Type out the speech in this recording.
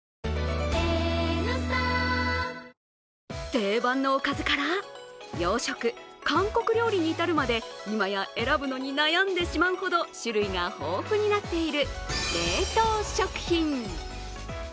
定番のおかずから、洋食、韓国料理に至るまで今や選ぶのに悩んでしまうほど種類が豊富になっている冷凍食品。